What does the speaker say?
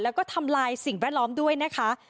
แล้วก็ทำลายสิ่งแวดล้อมด้วยนะคะ